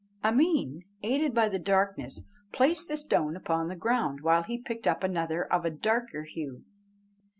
Ameen, aided by the darkness, placed the stone upon the ground while he picked up another of a darker hue.